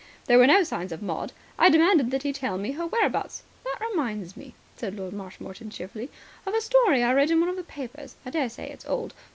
There were no signs of Maud. I demanded that he tell me her whereabouts. .." "That reminds me," said Lord Marshmoreton cheerfully, "of a story I read in one of the papers. I daresay it's old.